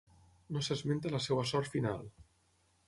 No s'esmenta la seva sort final.